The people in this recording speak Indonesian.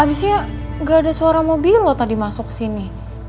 abisnya gak ada suara mobil lo tadi masuk sini